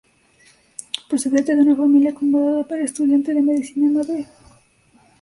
Procedente de una familia acomodada, era estudiante de medicina en Madrid.